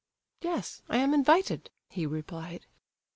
"Yes, I am invited," he replied.